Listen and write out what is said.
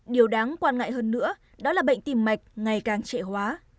điều đáng quan ngại hơn nữa đó là bệnh tim mạch ngày càng trẻ hóa